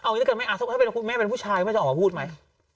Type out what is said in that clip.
เอ๊ยเอางี้แหละกันขออธิบัติถ้าคุณแม่เป็นผู้ชายคุณจะออกมาพูดไหม